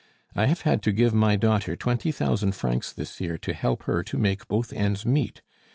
I have had to give my daughter twenty thousand francs this year to help her to make both ends meet.